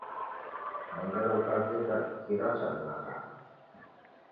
Mwengere ghukavika, kira chadalaghaya.